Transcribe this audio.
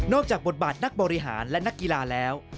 จากบทบาทนักบริหารและนักกีฬาแล้ว